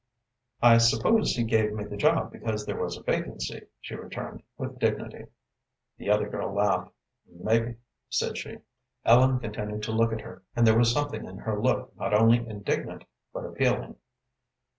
"I suppose he gave me the job because there was a vacancy," she returned, with dignity. The other girl laughed. "Mebbe," said she. Ellen continued to look at her, and there was something in her look not only indignant, but appealing.